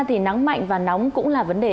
thì nắng mạnh và nóng cũng là vấn đề